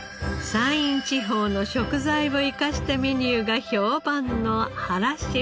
山陰地方の食材を生かしたメニューが評判の原シェフ。